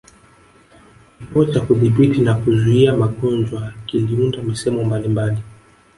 Kituo cha Kudhibiti na Kuzuia magonjwa kiliunda misemo mbalimbali